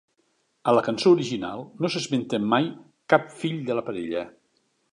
A la cançó original, no s'esmenta mai cap fill de la parella.